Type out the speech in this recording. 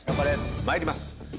参ります。